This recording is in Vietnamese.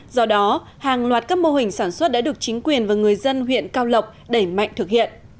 do đó hàng loạt các mô hình sản xuất đã được chính quyền và người dân huyện cao lộc đẩy mạnh thực hiện